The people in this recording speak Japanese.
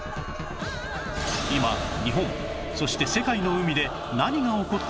今日本そして世界の海で何が起こっているのか？